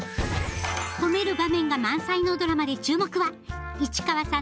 ほめる場面が満載のドラマで注目は市川さんのコスプレ